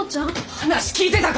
話聞いてたか？